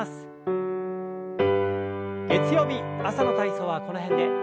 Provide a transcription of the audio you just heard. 月曜日朝の体操はこの辺で。